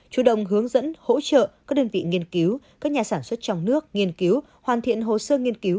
chủ động hướng dẫn hỗ trợ các đơn vị nghiên cứu các nhà sản xuất trong nước nghiên cứu hoàn thiện hồ sơ nghiên cứu